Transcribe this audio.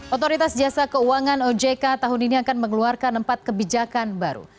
otoritas jasa keuangan ojk tahun ini akan mengeluarkan empat kebijakan baru